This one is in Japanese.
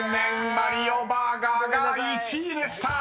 「マリオ・バーガー」が１位でした］